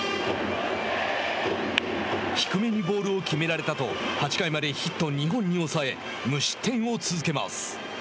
低めにボールを決められたと８回までヒット２本に抑え無失点を続けます。